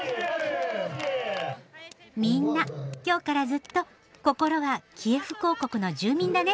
みんな今日からずっと心はキエフ公国の住民だね。